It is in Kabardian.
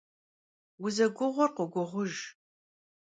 Vuzeguğur khoguğujj.